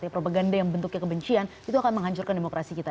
propaganda yang bentuknya kebencian itu akan menghancurkan demokrasi kita